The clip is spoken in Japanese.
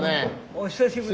お久しぶり。